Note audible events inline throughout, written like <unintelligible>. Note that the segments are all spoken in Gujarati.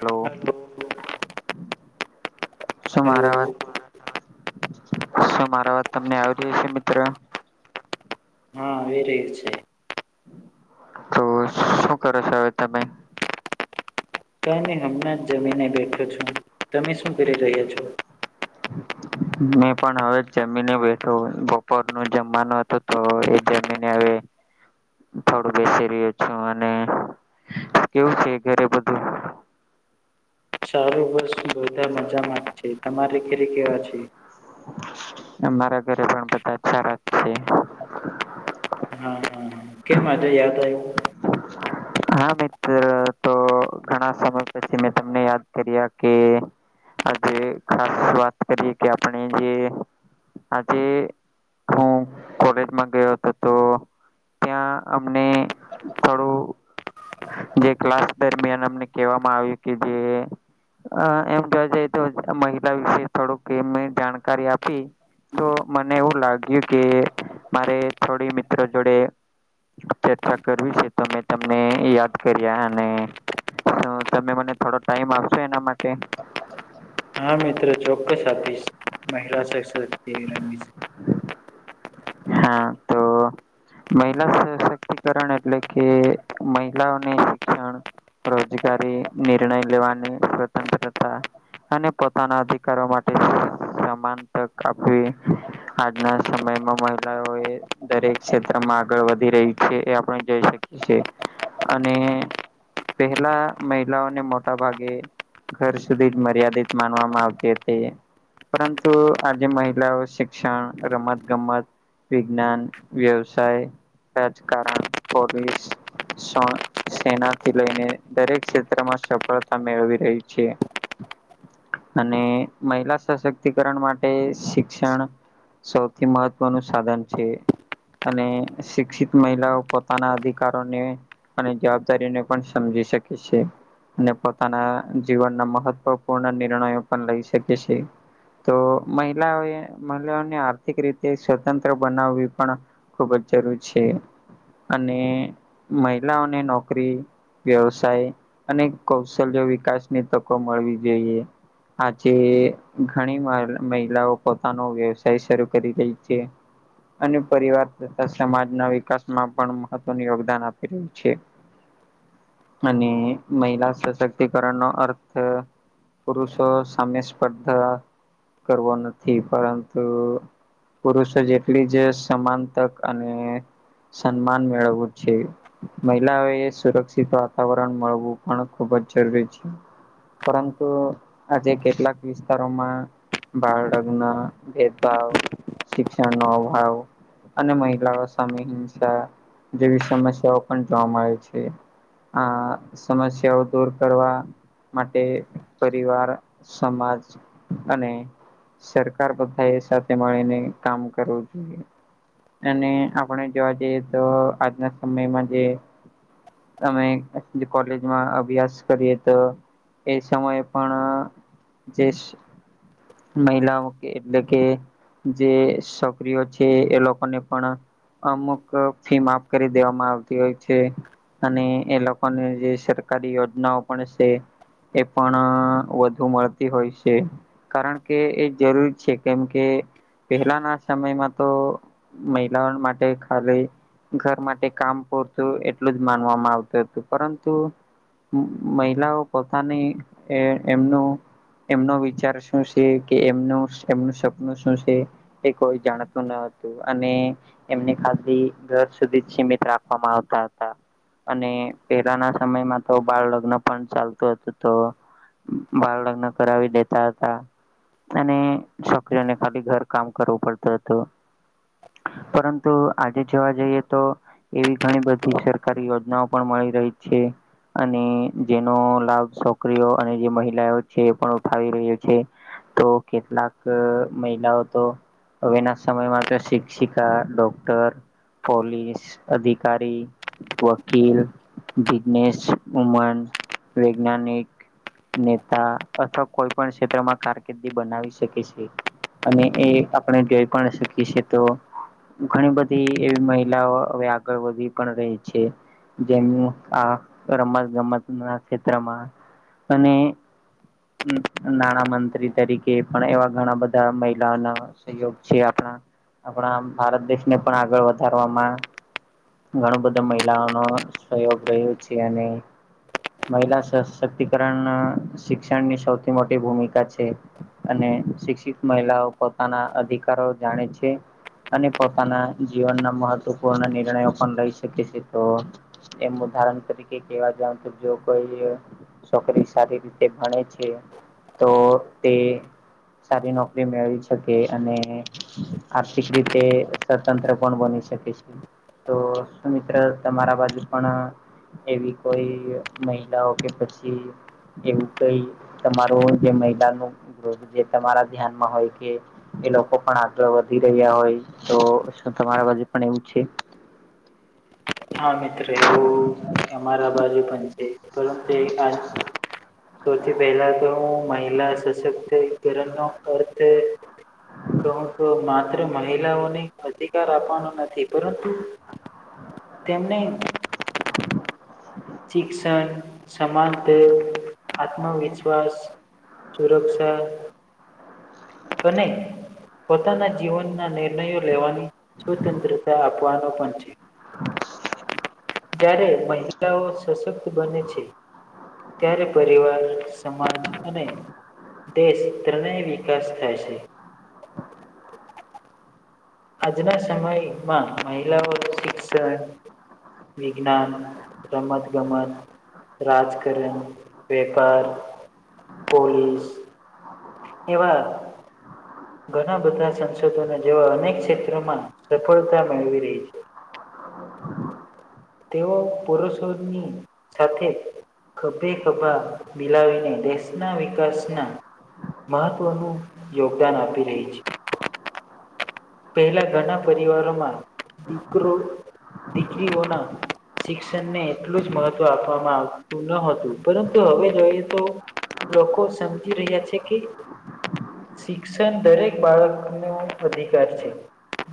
હલો. શું મારો હલો અવાજ હા શું મારો અવાજ તમને આવી રહ્યો છે મિત્ર. હા આવી રહ્યો છે. તો શું કરો છો હવે તમે. કઈ નહી હમણાં જ જમીને બેઠો છું તમે શું કરી રહ્યા છો. <unintelligible> મેં પણ હવે જમીને બેઠો બપોર નું જમવાનું હતું તો એ જમીને હવે. થોડું બેસી રહ્યો છું અને કેવું છે ઘરે બધું. સારું બસ બધા મજામાં છે તમારે ઘીરે કેવા છે. અમારા ઘરે પણ બધા સારા છે. હા હા હા કેમ માટે યાદ આવ્યું. <unintelligible> હા મિત્ર તો ઘણા સમય પછી મેં તમને યાદ કર્યા કે. આજે ખાસ વાત કરીએ કે આપણે જે. આજે હું કોલેજમાં ગયો હતો તો. ત્યાં અમને થોડું. જે ક્લાસ દરમિયાન અમને કહેવામાં આવ્યું કે જે. અ એમ કેવા જઈ તો મહિલા વિશે થોડુંક એમ મેં જાણકારી આપી. તો મને એવું લાગ્યું કે મારે થોડી મિત્ર જોડે. ચર્ચા કરવી છે તો મે તમને યાદ કર્યા અને. તો તમે મને થોડો ટાઈમ આપશો એના માટે. હા મિત્ર ચોક્કસ આપીશ મહિલા સશક્તિકરણ. હા તો. મહિલા સશક્તિકરણ એટલે કે મહિલાઓને શિક્ષણ. રોજગારી નિર્ણય લેવાની સ્વતંત્રતા. અને પોતાના અધિકારો માટે સમાન તક આપવી. આજના સમયમાં મહિલાઓ એ. દરેક ક્ષેત્રમાં આગળ વધી રહી છે એ આપણે જોઈ શકી છે અને. પહેલા મહિલાઓને મોટા ભાગે. ઘર સુધી જ મર્યાદિત માનવામાં આવતી હતી એ. પરંતુ આજે મહિલાઓ શિક્ષણ રમત ગમત. વિજ્ઞાન વ્યવસાય રાજકારણ પોલીસ. સેનાથી લઈને દરેક ક્ષેત્રમાં સફળતા મેળવી રહી છે. અને મહિલા સશક્ત. ક્તિકરણ માટે શિક્ષણ સૌથી મહત્વનું સાધન છે. અને શિક્ષિત મહિલાઓ પોતાના અધિકારોને અને જવાબદારીને પણ સમજી શકે છે અને પોતાના જીવનના મહત્વપૂર્ણ નિર્ણયો પણ લઈ શકે છે. તો મહિલાઓએ મહિલાઓને આર્થિક રીતે સ્વતંત્ર બનાવવી પણ. ખુબજ જરૂરી છે અને મહિલાઓને નોકરી. વ્યવસાય અને કૌશલ્ય વિકાસની તકો મળવી જોઈએ. આજે. ઘણી વાર મહિલાઓ પોતાનો વ્યવસાય શરૂ કરી રહી છે. અને પરિવાર તથા સમાજના વિકાસમાં પણ મહત્વનું યોગદાન આપી રહ્યું છે. અને મહિલા સશક્તિકરણ નો અર્થ. પુરુષો સમ્ય સ્પર્ધા. કરવો નથી પરંતુ. પુરુષો જેટલી જ સમાન તક અને સન્માન મેળવવું છે. મહિલાઓ એ સુરક્ષિત વાતાવરણ મળવું પણ ખુબજ જરૂરી છે. પરંતુ આજે કેટલાક વિસ્તારોમાં. બાળ લગ્ન ભેદભાવ શિક્ષણનો અભાવ. અને મહિલાઓ સામે હિંસા જેવી સમસ્યાઓ પણ જોવા મળે છે. આ સમસ્યાઓ દૂર કરવા. માટે પરિવાર સમાજ. અને સરકાર બધા એ સાથે મળીને કામ કરવું જોઈએ. અને આપણે જોવા જઈએ તો આજના સમયમાં જે. અમે કોલેજમાં અભ્યાસ કરીએ તો. એ સમયે પણ જેસ મહિલા કે એટલે કે જે છોકરીઓ છે એ લોકોને પણ અમુક ફી માફ કરી દેવામાં આવતી હોય છે. અને એ લોકોની જે સરકારી યોજનાઓ પણ છે. એ પણ વધુ મળતી હોય છે. કારણ કે એ જરૂરી છે કેમ કે પહેલાના સમયમાં તો. મહિલાઓ માટે ખાલી. ઘર માટે કામ પૂરતું એટલું જ માનવામાં આવતું હતું પરંતુ. મહિલાઓ પોતાની એ એમનું એમનો વિચાર છ શું છે કે એમનું એમનું સપનું શું છે એ કોઈ જાણતું ન હતું અને. એમની ખાલી ઘર સુધી જ સીમિત રાખવામાં આવતા હતા. અને પેલાના સમયમાં તો બાળ લગ્ન પણ ચાલતું હતું તો. બાળ લગ્ન કરાવી દેતા હતા. અને છોકરીઓને ખાલી ઘર કામ કરવું પડતું હતું. પરંતુ આજે જોવા જઈએ તો. એવી ઘણી બધી સરકારી યોજનાઓ પણ મળી રહી છે. અને જેનો લાભ છોકરીઓ અને જે મહિલાઓ છે એ પણ ઉઠાવી રહ્યો છે. તો કેટલાક મહિલાઓ તો. હવેના સમયમાં તો શિક્ષિકા ડોક્ટર. પોલીસ અધિકારી. વકીલ બિઝનેસ ઉમન વૈજ્ઞાનિક. નેતા અથવા કોઈ પણ ક્ષેત્રમાં કારકિર્દી બનાવી શકે છે. અને એ આપણે જોઈ પણ શકીએ છે તો. ઘણી બધી એવી મહિલાઓ હવે આગળ વધી પણ રહી છે. જેમ આ રમત ગમત ના ક્ષેત્રમાં અને. નાણા મં <unintelligible> તરીકે પણ એવા ઘણા બધા મહિલાઓ ના સહયોગ છે આપણા. આપણા ભારત દેશને પણ આગળ વધારવામાં. ઘણું બધા મહિલાઓનો સહયોગ રહ્યો છે અને. મહિલા સશક્તિકરણ શિક્ષણની સૌથી મોટી ભૂમિકા છે. અને શિક્ષિત મહિલાઓ પોતાના અધિકારો જાણે છે. અને પોતાના જીવનના મહત્વપૂર્ણ નિર્ણયો પણ લઈ શકે છે તો. એમ ઉદાહરણ તરીકે કેવા જાઉ તો જો કોઈ. છોકરી સારી રીતે ભણે છે તો તે. સારી નોકરી મેળવી શકે અને આર્થિક રીતે. સ્વતંત્ર પણ બની શકે છે તો મિત્ર તમારા બાજુ પણ. એવી કોઈ મહિલાઓ કે પછી. એવું કઈ તમારોું જે મહિલાનું જે તમારા ધ્યાનમાં હોય કે. એ લોકો પણ આગળ વધી રહ્યા હોય તો શું તમારા બાજુ પણ એવું છે. હા મિત્ર એવું કે અમારા બાજુ પણ છે. પરંતુ સૌથી પહેલા તો હું મહિલા સશક્ત. કરરણ નો અર્થ. કહું તો માત્ર મહિલાઓને અધિકાર આપવાનો નથી પરંતુ. તેમને. શિક્ષણ સનત આત્મવિશ્વાસ સુરક્ષા તો નહી પોતાના જીવનના નિર્ણયો લેવાની સ્વતંત્રતા આપવાનો પણ છે. હ જ્યારે મહિલાઓ સશક્ત બને છે. ત્યારે પરિવાર સમાન અને દેશ ત્રણેય વિકાસ થાય છે. આજના સમયમાં મહિલાઓ શિક્ષણ વિજ્ઞાન રમત ગમત રાજકારણ વેપાર પોલીસ એવા ઘણા બધા સંશોધોના જેવા અનેક ક્ષેત્રમાં સફળતા મેળવી રહી છે. તેઓ પુરુષોની સાથે ખભે ખભા બિલાવીને દેશના વિકાસના મહત્ત્વનું યોગદાન આપી રહી છે. પહેલા ઘણા પરિવારોમાં દીકરો દીકરીઓના શિક્ષણને એટલું જ મહત્વ આપવામાં આવતું ન હતું પરંતુ હવે જોઈએ તો લોકો સમજી રહ્યા છે કે શિક્ષણ દરેક બાળક ન વધે છે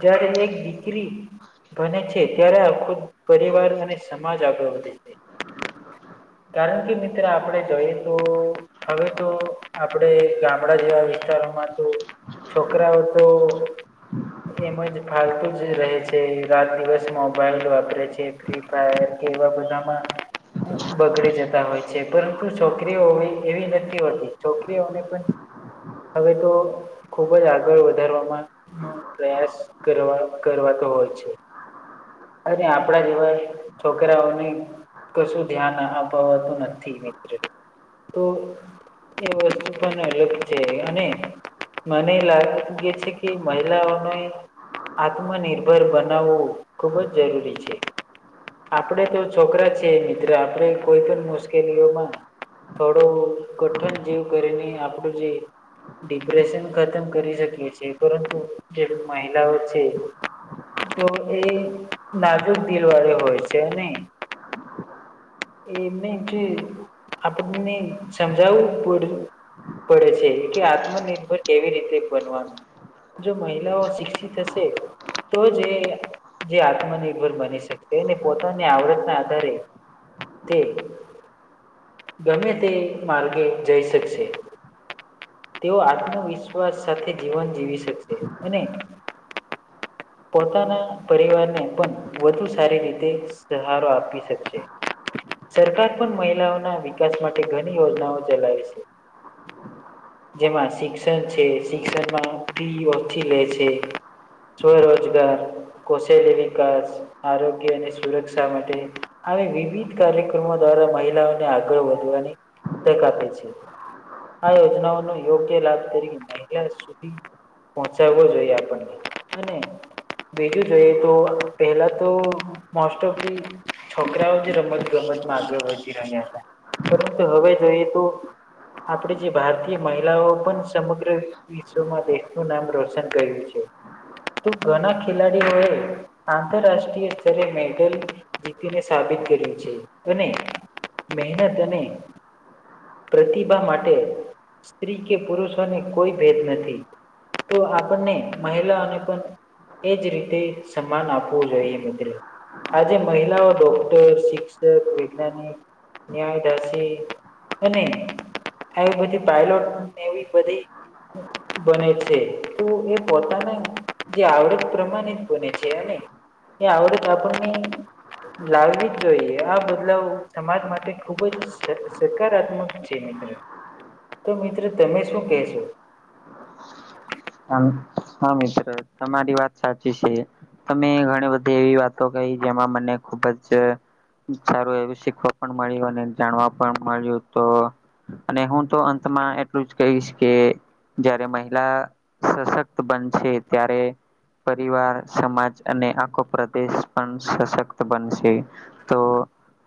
જયારે એક દીકરી. બને છે ત્યારે આ ખુદ પરિવાર અને સમાજ આગળ વધે છે. કારણ કે મિત્ર આપણેે જોઈએ તો હવે તો આપણેે ગામડા જેવા વિસ્તારોમાં તો છોકરાઓ તો એમાં જ ફાલતુ જે રહે છે રાત દિવસ મોબાઈઇલ વાપરેે છે ફ અ કે બા બધમાં બગડી જતા હોય છે પરંતુ છોકરીઓ હો એવી નથી હોતી છોકરીઓને પણ હવે તો ખુબજ આગળ વધારવામાં પ્રયાસ કરવા કરવાતો હોય છે. અને આપણા જેવા છોકરાઓને કશું ધ્યાન અપાતું નથી મિત્ર તો એવ છે અને. મને લાગય છે કે મહિલાઓને આત્મનિર્ભર બનાવવું ખૂબજ જરૂરી છે. આપણેે તો છોકરા છીએ મિત્ર આપે કોઈ પણ મુશ્કેલીઓમાં થોડું ગઠન જેવ કરીને આપણું જે. ડિપ્રેશન ખતમ કરી શકીએ પરંતુ જે મહિલાઓ છે. તો એ નાજુક દિલ વાળી હોય છે ને. એ એમને કે આપણને સમજાવવું પડ. પડે છે એ કે આત્મનિર્ભર કેવી રીતે બનવાનું. જો મહિલાઓ શિક્ષિત હશે. તો જે જે આત્મનિર્ભર બની શકે અનેને પોતાની આવડતના આધારે તે ગમે તે માર્ગે જઈ શકશે. તેઓ આત્મવિશ્વાસ સાથે જીવન જીવી શકશે હને. પોતાના પરિવારને પણ વધુ સારી રીતે સહારો આપી શકશે. સરકાર પણ મહિલાઓના વિકાસ માટે ઘણી યોજનાઓ ચલાવે છે. જેમાં શિક્ષણ છે શિક્ષણમાં ફી ઓછી લે છે. સ્વરોજગાર કૌશલી્ય વિકાસ આરોગ્ય અને સુરક્ષા માટે આવી વિવિધ કાર્યક્રમો દ્વારા મહિલાઓ આગળ વધવાની તક આપે છે. આ યોજનાઓનો યોગ્ય લાભ કરી મહિલા સુધી પહોચાવો જોઈએ આપણને હ. બીજું જોઈએ તો પેલા તો મોસ્ટ ઓફ ધી છોકરાઓ જ રમત ગમતમાં આગળ વધી રહ્યા હતા. પરંતુ હવે જોઈએ તો આપણે જે ભારતીય મહિલાઓ પણ સમગ્ર વિશ્વમાં દેશનુંું નામ રોશન કર્યું છે. તું ઘણા ખેલાડી હોય. આંતરરાષ્ટ્રીય સ્તરે મેડલ જીતીને સાબિત કર્યું છે અને મહેનત અને પ્રતિભા માટે સ્ત્રી કે પુરુષોને કોઈ ભેદ નથી તો આપણને મહિલાને પણ એજ રીતે સન્માન આપવું જોઈએ મિત્ર. આજે મહિલાઓ ડોક્ટર શિક્ષક વૈજ્ઞાનિક ન્યાયદાસી અને આવી બધી પાયલોટ એવી બધી બને છે. પોતાના જે આવડત પ્રમાણે જ બને છેન. એ આવડ ક આપણ લાવવી જ જોઈએ આ બદલાવ સમાજ માટે ખુબ જ સકારાત્મક છે. તો મિત્રો તમે શું કશો? હા મિત્ર તમારી વાત સાચી છે. તમે ઘણી બધી એવી વાતો કહી જેમાં મને ખુબ જ સારું એવું શીખવા પણ મળ્યું અને જાણવા પણ મળ્યું તો. અને હું તો અંતમાં એટલું જ કહીશ કે જયારે મહિલા સશક્ત બનશે ત્યારે પરિવાર સમાજ અને આખો પ્રદેશ પણ સક્ત બનશે. તો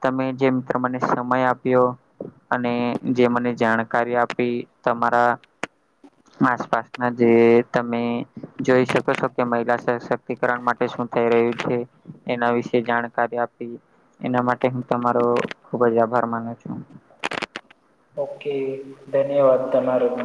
તમે જે મિત્ર મને સમય આપ્યો. અને જે મને જાણકારી આપી તમારા આસપાસ. આજ તમે. જોઈ શકો છો કે મહિલા સશક્તિકરણ માટે શું થઈ રહ્યું છે. એના વિશે જાણકારી આપી એના માટે હું તમારો ખુબ જ આભાર માનું છું. ઓકે ધન્યવાદ તમા તમારોગ.